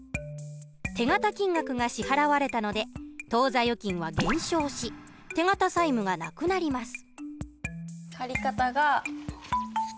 手形金額が支払われたので当座預金は減少し手形債務がなくなります。